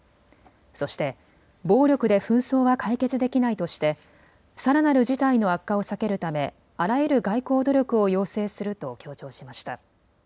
そして暴力で紛争は解決できないとしてさらなる事態の悪化を避けるためあらゆる外交努力を要請すると強調しました。